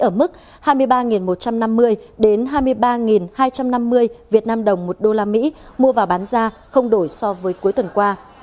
ở mức hai mươi ba một trăm năm mươi đến hai mươi ba hai trăm năm mươi việt nam đồng một đô la mỹ mua vào bán ra không đổi so với cuối tuần qua